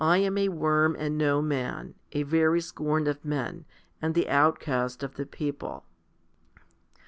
am a worm and no man, a very scorn of men, and the outcast of the people?